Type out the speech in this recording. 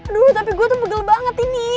aduh tapi gue tuh pegel banget ini